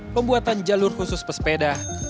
pembuatan jalur khusus pesepeda